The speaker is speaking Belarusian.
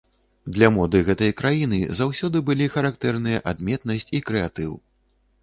Для моды гэтай краіны заўсёды былі характэрныя адметнасць і крэатыў.